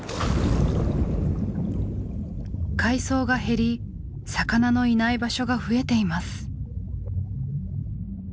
海藻が減り魚のいない場所が増えています。